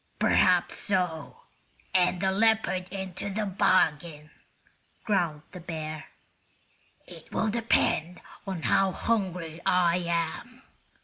"Perhaps so, and a leopard into the bargain," growled the bear. "It will depend on how hungry I am.